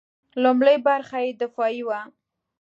لومړۍ برخه یې دفاعي وه.